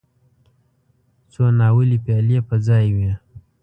څو ناولې پيالې په ځای وې.